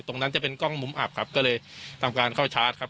ตรงนั้นจะเป็นกล้องมุมอับครับก็เลยทำการเข้าชาร์จครับ